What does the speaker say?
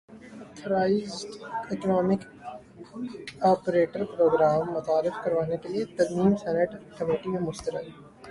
authorised economic operator program متعارف کروانے کیلئے ترمیم سینیٹ کمیٹی میں مسترد